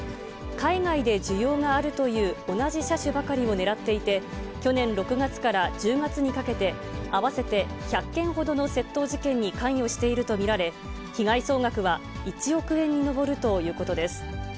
海外で需要があるという、同じ車種ばかりを狙っていて、去年６月から１０月にかけて、合わせて１００件ほどの窃盗事件に関与していると見られ、被害総額は１億円に上るということです。